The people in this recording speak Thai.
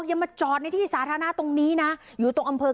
โดนสั่งแอป